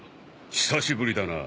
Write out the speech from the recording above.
久しぶりだなあ。